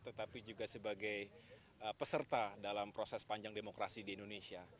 tetapi juga sebagai peserta dalam proses panjang demokrasi di indonesia